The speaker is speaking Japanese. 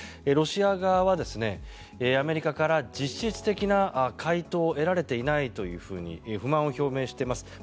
ロシア側はアメリカから実質的な回答を得られていないと不満を表明しています。